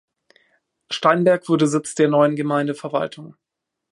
Steinberg wurde Sitz der neuen Gemeindeverwaltung.